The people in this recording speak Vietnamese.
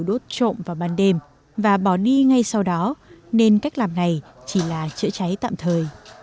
đốt trộm vào ban đêm và bỏ đi ngay sau đó nên cách làm này chỉ là chữa cháy tạm thời